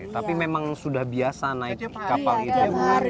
tapi memang sudah biasa naik kapal itu